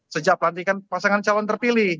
sejak pelantikan pasangan calon terpilih